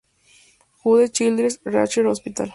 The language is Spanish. Jude Children's Research Hospital.